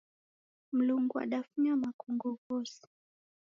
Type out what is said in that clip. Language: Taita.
Mlungu wadafunya makongo ghose.